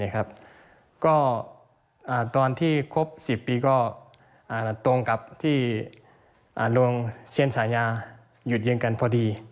ก็ตอนที่ครบ๑๐ปีก็ตรงกับที่โรงเชียนสัญญายุทธ์กันพอดี